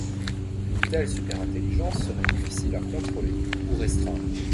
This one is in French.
Une telle superintelligence serait difficile à contrôler ou restreindre.